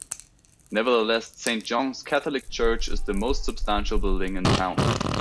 Nevertheless, Saint Johns Catholic Church is the most substantial building in town.